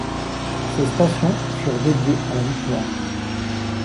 Ces stations furent dédiées à la Victoire.